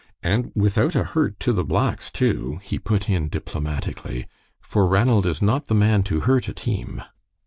And without a hurt to the blacks, too," he put in, diplomatically, "for Ranald is not the man to hurt a team."